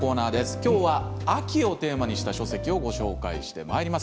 きょうは秋をテーマにした書籍をご紹介してまいります。